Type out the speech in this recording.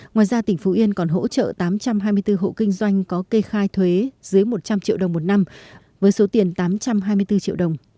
ngoài ra tỉnh phú yên còn hỗ trợ tám trăm hai mươi bốn hộ kinh doanh có kê khai thuế dưới một trăm linh triệu đồng một năm với số tiền tám trăm hai mươi bốn triệu đồng